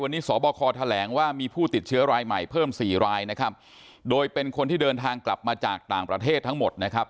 วันนี้สบคแถลงว่ามีผู้ติดเชื้อรายใหม่เพิ่มสี่รายนะครับโดยเป็นคนที่เดินทางกลับมาจากต่างประเทศทั้งหมดนะครับ